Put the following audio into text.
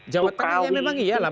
jawa tengah memang iyalah